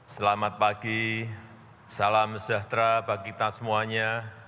selamat pagi salam sejahtera bagi kita semuanya